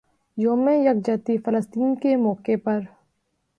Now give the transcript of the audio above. یوم یکجہتی فلسطین کے موقع پر